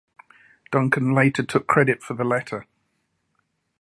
Duncan later took credit for the letter.